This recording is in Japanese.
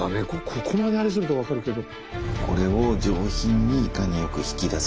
ここまであれするとわかるけど。